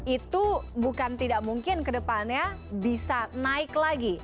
itu bukan tidak mungkin kedepannya bisa naik lagi